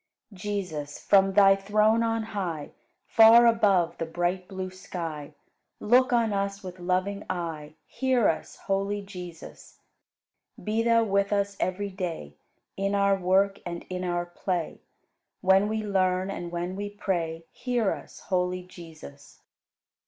108. Jesus, from Thy throne on high, Far above the bright blue sky, Look on us with loving eye; Hear us, holy Jesus! Be Thou with us every day, In our work and in our play, When we learn and when we pray; Hear us, holy Jesus!